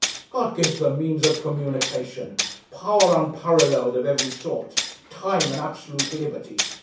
God gives them means of communication, power unparalleled of every sort, time and absolute liberty!